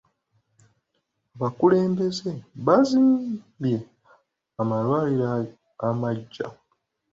Abakulembeze baazimbye amalwaliro amaggya.